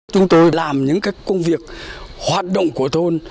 chúng tôi làm những công việc hoạt động của thôn